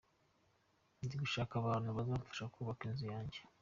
Ndi gushaka abantu bazamfasha kubaka inzu yanjye.